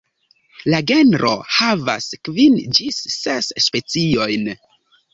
La genro havas kvin ĝis ses speciojn.